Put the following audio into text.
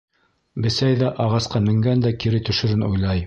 Бесәй ҙә ағасҡа менгәндә кире төшөрөн уйлай.